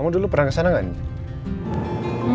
kamu dulu pernah kesana gak nih